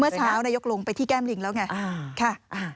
เมื่อเช้านายกลงไปที่แก้มลิงแล้วไง